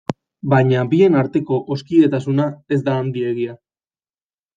Baina bien arteko hoskidetasuna ez da handiegia.